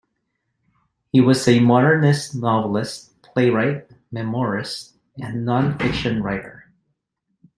He was a modernist novelist, playwright, memoirist and non-fiction writer.